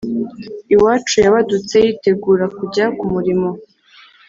iwacu yabadutse yitegura kujya ku murimo